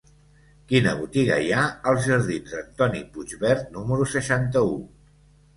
Quina botiga hi ha als jardins d'Antoni Puigvert número seixanta-u?